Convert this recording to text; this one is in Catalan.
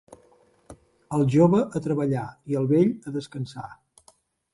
El jove a treballar i el vell a descansar.